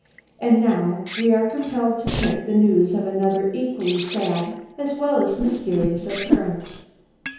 And now we are compelled to print the news of another equally sad as well as mysterious occurrence.